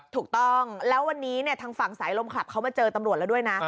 ถูกต้องแล้ววันนี้ทางฝั่งสายลมคลับเขามาเจอตำรวจแล้วด้วยนะ